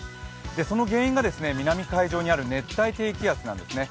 その原因が南海上にある熱帯低気圧なんですね。